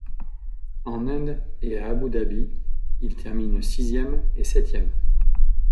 En Inde et à Abou Dabi, il termine sixième et septième.